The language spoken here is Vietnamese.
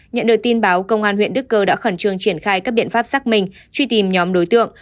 nhận được tin báo công an huyện đức cơ đã khẩn trương triển khai các biện pháp xác minh truy tìm nhóm đối tượng